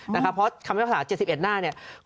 เพราะคำพิพากษา๗๑หน้าเนี่ย